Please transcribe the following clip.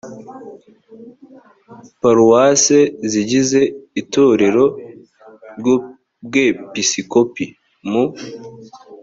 paruwase zigize itorero ry ubwepiskopi mu